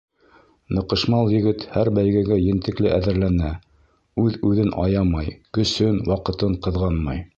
Ныҡышмал егет һәр бәйгегә ентекле әҙерләнә, үҙ-үҙен аямай, көсөн, ваҡытын ҡыҙғанмай.